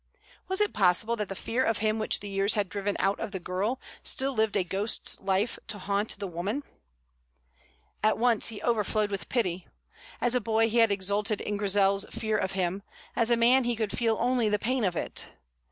Was it possible that the fear of him which the years had driven out of the girl still lived a ghost's life to haunt the woman? At once he overflowed with pity. As a boy he had exulted in Grizel's fear of him; as a man he could feel only the pain of it.